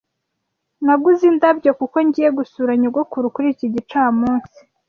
Naguze indabyo kuko ngiye gusura nyogokuru kuri iki gicamunsi.